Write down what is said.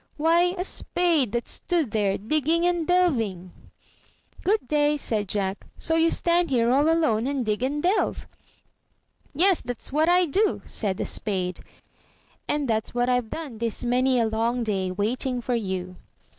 Why, a spade that stood there digging and delving. *'Goodday!" said Jack. *'So you stand here all alone, and dig and delve!" *'Yes, that's what I do," said the Spade, ''and that's what I've done this many a long day, waiting for you."